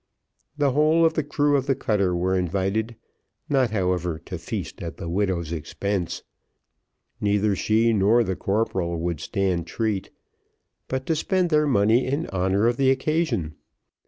The whole of the crew of the cutter were invited, not, however, to feast at the widow's expense; neither she nor the corporal would stand treat; but to spend their money in honour of the occasion.